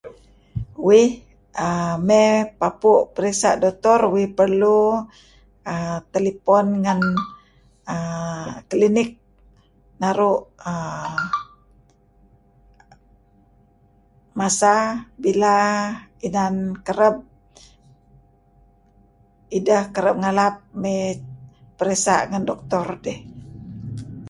Uih err mey papu' peresa' doktor uih perlu err telepon ngan err klinik naru' err masa bila inan kereb idah kereb ngalap mey peresa' ngan doktor dih.